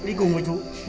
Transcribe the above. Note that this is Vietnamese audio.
nhá đi cùng với chú